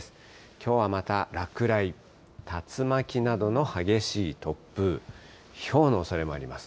きょうはまた落雷、竜巻などの激しい突風、ひょうのおそれもあります。